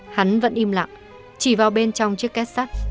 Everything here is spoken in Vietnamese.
hắn vẫn im lặng chỉ vào bên trong chiếc két sắt